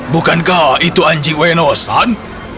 bukankah itu anjing ueno san